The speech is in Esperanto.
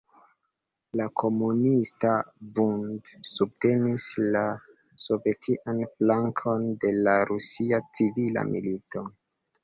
La Komunista Bund subtenis la sovetian flankon de la Rusia Civila Milito.